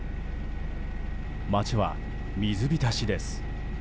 町は水浸しです。